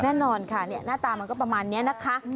แน่นอนค่ะหน้าตามันก็ประมาณนี้นะคะ